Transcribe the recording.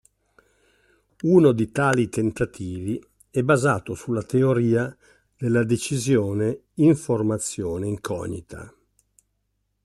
Uno di tali tentativi è basato sulla teoria della decisione informazione-incognita.